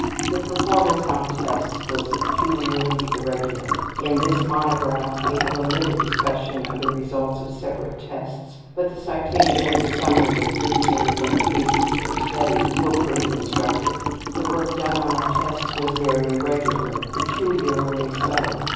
The performance on tests was peculiarly irregular. In this monograph we have omitted discussion of the results of separate tests, but the citation of the summary as dictated when the case was first studied will prove instructive: The work done on our tests was very irregular, peculiarly so.